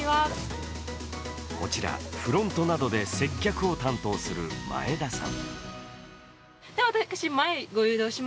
こちらフロントなどで接客を担当する前田さん。